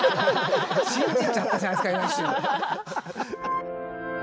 信じちゃったじゃないですか今一瞬。